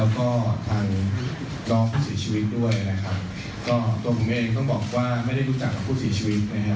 ก็ตัวผมเองต้องบอกว่าไม่ได้รู้จักผู้สีชีวิตนะครับ